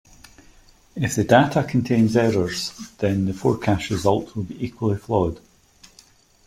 If the data contains errors, then the forecast result will be equally flawed.